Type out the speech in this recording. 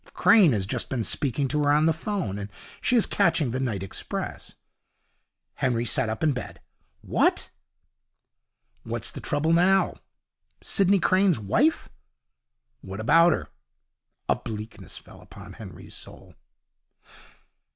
Crane has just been speaking to her on the phone, and she is catching the night express.' Henry sat up in bed. 'What!' 'What's the trouble now?' 'Sidney Crane's wife?' 'What about her?' A bleakness fell upon Henry's soul.